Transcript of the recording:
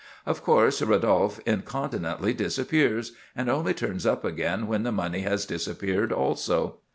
Of course, Rodolphe incontinently disappears, and only turns up again when the money has disappeared also.